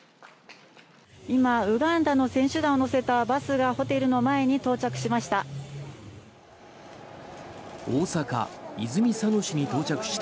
今、ウガンダの選手団を乗せたバスがホテルの前に到着しました。